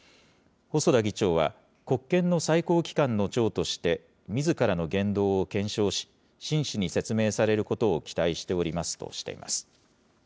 細田議長は、国権の最高機関の長として、みずからの言動を検証し、真摯に説明されることを期待しておりますとしています。